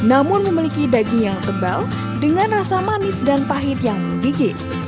namun memiliki daging yang tebal dengan rasa manis dan pahit yang menggigit